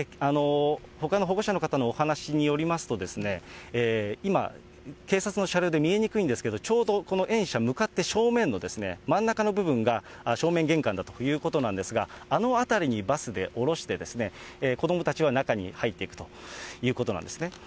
ほかの保護者の方のお話によりますと、今、警察の車両で見えにくいんですけど、ちょうどこの園舎、向かって正面の真ん中の部分が正面玄関だということなんですが、あの辺りにバスで降ろして、子どもたちは中に入っていくということなんですね。